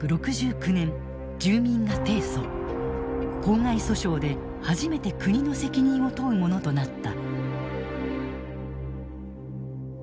公害訴訟で初めて国の責任を問うものとなった。